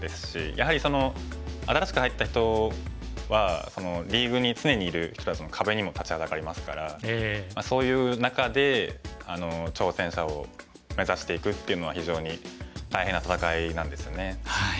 やはり新しく入った人はリーグに常にいる人たちの壁にも立ちはだかりますからそういう中で挑戦者を目指していくっていうのは非常に大変な戦いなんですよね。